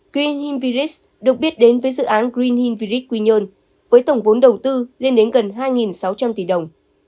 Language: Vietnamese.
green hill village được biết đến với dự án green hill village quy nhơn với tổng vốn đầu tư lên đến gần hai sáu trăm linh tỷ đồng